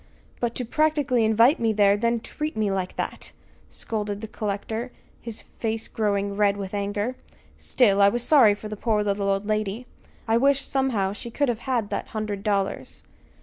But to practically invite me there, and then treat me like that!" scolded the collector, his face growing red with anger. "Still, I was sorry for the poor little old lady. I wish, somehow, she could have that hundred dollars!"